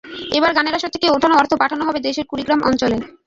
এবার গানের আসর থেকে ওঠানো অর্থ পাঠানো হবে দেশের কুড়িগ্রাম অঞ্চলে।